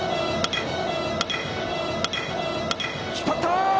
引っ張ったー！